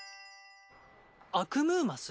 アクムーマス？